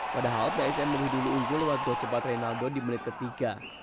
padahal psm menurut dulu unggul lewat dua cepat rinaldo di menit ketiga